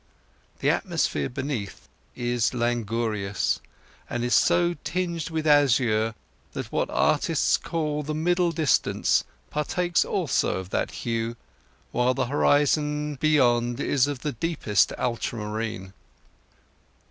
The atmosphere beneath is languorous, and is so tinged with azure that what artists call the middle distance partakes also of that hue, while the horizon beyond is of the deepest ultramarine.